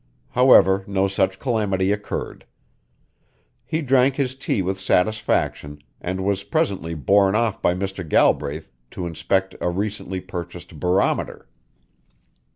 However, no such calamity occurred. He drank his tea with satisfaction and was presently borne off by Mr. Galbraith to inspect a recently purchased barometer.